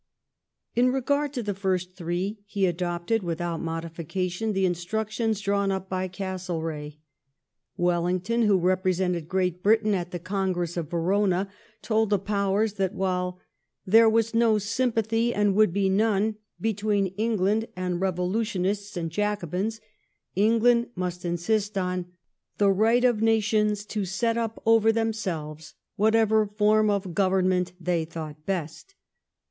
4 In regard to the first three he adopted without modification the t instructions drawn up by Castlereagh. Wellington, who repre ' sented Great Britain at the Congress of Verona, told the Powers that while " there was no sympathy and wo; ild be none between England and revolutionists and Jacobins,"'«1&ngland must insist onj " the right of nations to set up over themselves whatever form oft Government they thought best